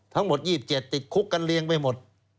ทั้งหมด๒๗ติดคุกกันเรียงไปหมด